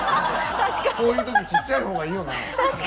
こういうときちっちゃいほうがいいのかな。